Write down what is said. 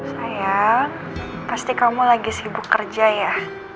saya pasti kamu lagi sibuk kerja ya